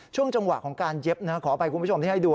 ช่วงจังหวะของการเย็บนะขออภัยคุณผู้ชมที่ให้ดู